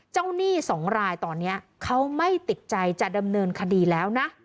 หนี้สองรายตอนนี้เขาไม่ติดใจจะดำเนินคดีแล้วนะ